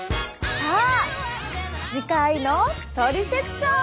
さあ次回の「トリセツショー」は。